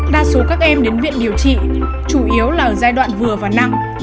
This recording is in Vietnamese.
đa số các em đến viện điều trị chủ yếu là ở giai đoạn vừa và nặng